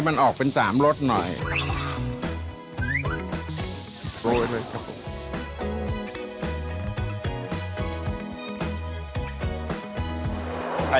โปรดติดตามตอนต่อไป